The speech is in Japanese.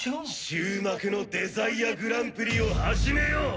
「終幕のデザイアグランプリを始めよう！」